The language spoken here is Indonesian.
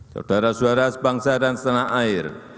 saudara saudara sebangsa dan setanah air